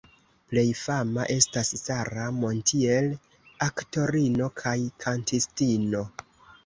Plej fama estas Sara Montiel, aktorino kaj kantistino.